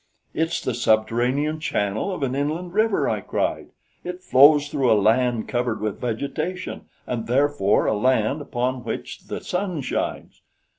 "It's the subterranean channel of an inland river," I cried. "It flows through a land covered with vegetation and therefore a land upon which the sun shines.